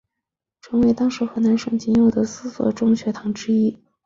成为当时河南省仅有的四所中学堂之一。